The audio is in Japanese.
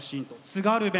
津軽弁。